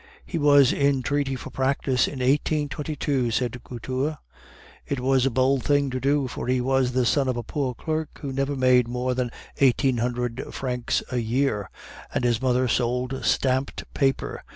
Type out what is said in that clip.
"He was in treaty for practice in 1822," said Couture. "It was a bold thing to do, for he was the son of a poor clerk who never made more than eighteen hundred francs a year, and his mother sold stamped paper.